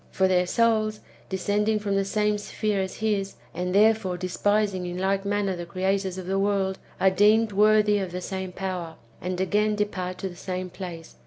For their souls, descending from the same sphere as his, and therefore despising in like manner the creators of the world, are deemed worthy of the same power, and again depart to the same place.